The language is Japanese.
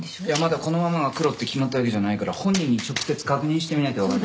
いやまだこのママがクロって決まったわけじゃないから本人に直接確認してみないと。